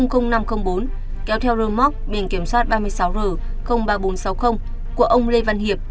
năm trăm linh bốn kéo theo rơm móc biển kiểm soát ba mươi sáu r ba nghìn bốn trăm sáu mươi của ông lê văn hiệp